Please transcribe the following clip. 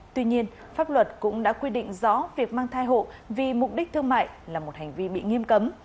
tuy nhiên pháp luật cũng đã quy định rõ việc mang thai hộ vì mục đích thương mại là một hành vi bị nghiêm cấm